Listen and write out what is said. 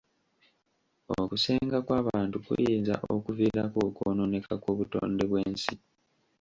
Okusenga kw'abantu kuyinza okuviirako okwonooneka kw'obutonde bw'ensi.